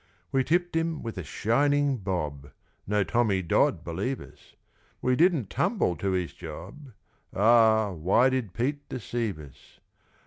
We tipped him with a shining bob No Tommy Dodd, believe us. We didn't "tumble" to his job Ah, why did Pete deceive us!